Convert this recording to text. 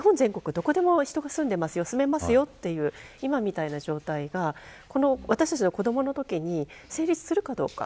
どこでも人が住めますという今みたいな状態が私たちの子どものときに成立するかどうか。